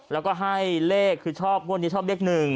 แล้วก็ให้เลขคือชอบงวดนี้ชอบเลข๑